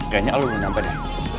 kayaknya lo mau nampak dia